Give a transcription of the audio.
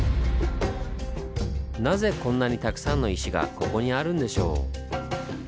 なぜこんなにたくさんの石がここにあるんでしょう？